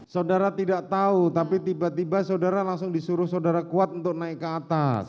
saudara tidak tahu tapi tiba tiba saudara langsung disuruh saudara kuat untuk naik ke atas